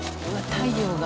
太陽が。